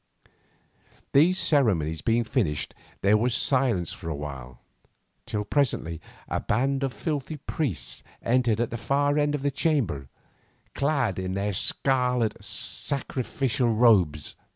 These ceremonies being finished, there was silence for a while, till presently a band of filthy priests entered at the far end of the chamber, clad in their scarlet sacrificial robes.